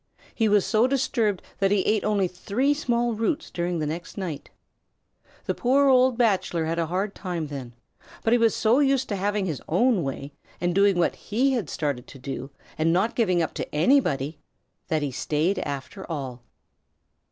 He was so disturbed that he ate only three small roots during the next night. The poor old Bachelor had a hard time then, but he was so used to having his own way and doing what he had started to do, and not giving up to anybody, that he stayed after all.